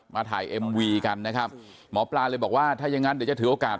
ถ่ายเอ็มวีกันนะครับหมอปลาเลยบอกว่าถ้ายังงั้นเดี๋ยวจะถือโอกาส